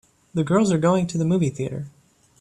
The girls are going to the movie theater.